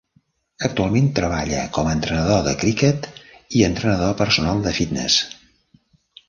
Actualment treballa com a entrenador de criquet i entrenador personal de fitness.